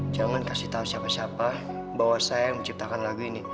jangan kasih tahu siapa siapa bahwa saya yang menciptakan lagu ini